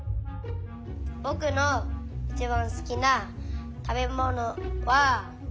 ぼくのいちばんすきなたべものはピーマンです。